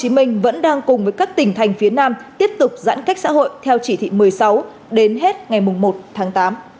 hồ chí minh vẫn đang cùng với các tỉnh thành phía nam tiếp tục giãn cách xã hội theo chỉ thị một mươi sáu đến hết ngày một tháng tám